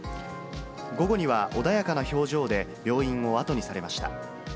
午後には穏やかな表情で病院を後にされました。